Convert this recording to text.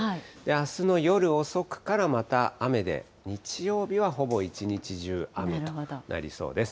あすの夜遅くからまた雨で、日曜日はほぼ一日中雨となりそうです。